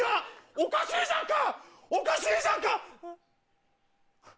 おかしいじゃんか！